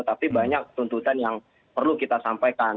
tapi banyak tuntutan yang perlu kita sampaikan